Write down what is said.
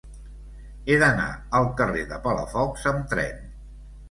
He d'anar al carrer de Palafox amb tren.